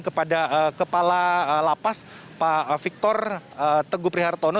kepada kepala lapas pak victor teguh prihartono